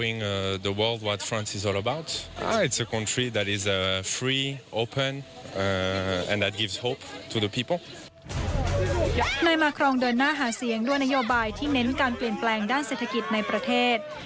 นายมาครองเดินหน้าหาเสียงด้วยนโยบายที่เน้นการเปลี่ยนแปลงด้านเศรษฐกิจในประเทศ